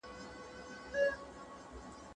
دروازه په داسې ډول ټک شوه چې هغې فکر وکړ زوی یې راغی.